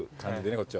こっちは。